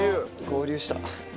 合流した。